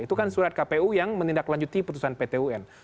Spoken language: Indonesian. itu kan surat kpu yang menindaklanjuti putusan ptun